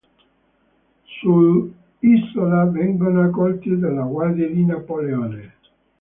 Sull'isola vengono accolti dalle guardie di Napoleone.